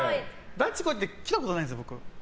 ばっちこい！って言って来たことないんです、僕。